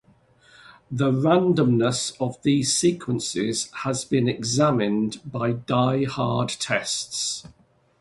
The randomness of these sequences has been examined by diehard tests.